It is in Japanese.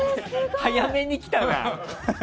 早めに来たな！